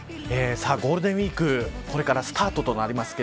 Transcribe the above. ゴールデンウイークこれからスタートとなります。